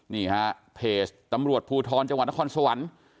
นี่ฮะเพจตำรวจภูทรจังหวัดนครสวรรค์